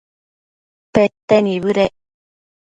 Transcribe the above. pete nibëdec